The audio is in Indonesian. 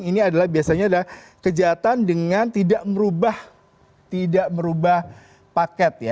ini adalah biasanya adalah kejahatan dengan tidak merubah paket